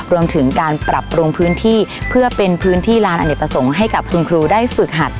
รวมถึงการปรับปรุงพื้นที่เพื่อเป็นพื้นที่ลานอเนกประสงค์ให้กับคุณครูได้ฝึกหัด